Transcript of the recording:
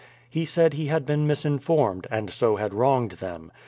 He said he had been misinformed, and so had wronged them.